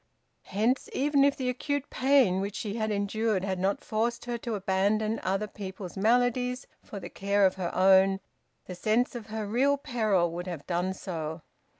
Hence, even if the acute pain which she endured had not forced her to abandon other people's maladies for the care of her own, the sense of her real peril would have done so.